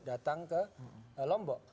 datang ke lombok